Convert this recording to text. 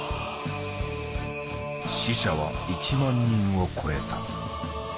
死者は１万人を超えた。